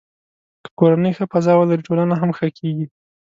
که کورنۍ ښه فضا ولري، ټولنه هم ښه کېږي.